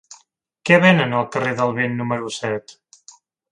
Què venen al carrer del Vent número set?